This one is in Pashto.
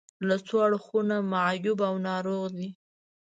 له څو اړخونو معیوب او ناروغ دي.